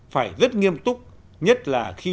phải rất nghiêm túc nhất là khi